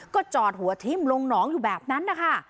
ก็จอดหัวทิ้มลงหนองอยู่แบบนั้นนะคะ